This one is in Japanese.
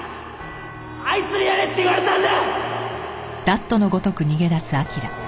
あいつにやれって言われたんだ！